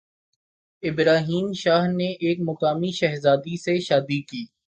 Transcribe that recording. ابراہیم شاہ نے ایک مقامی شہزادی سے شادی کی